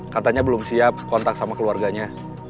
katanya belum siap kontak sama keluarganya